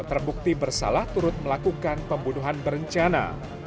terbukti bersalah turut melakukan pembunuhan berencana